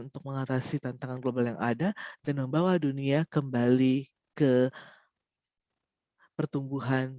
untuk mengatasi tantangan global yang ada dan membawa dunia kembali ke pertumbuhan